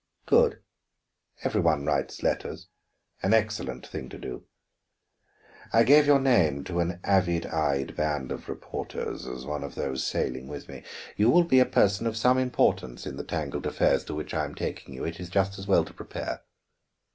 "Good; every one writes letters an excellent thing to do. I gave your name to an avid eyed band of reporters, as one of those sailing with me. You will be a person of some importance in the tangled affairs to which I am taking you; it is just as well to prepare."